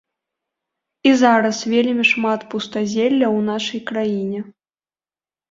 І зараз вельмі шмат пустазелля ў нашай краіне.